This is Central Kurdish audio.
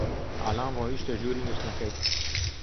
ئالان ڕۆیشتە ژووری نووستنەکەی.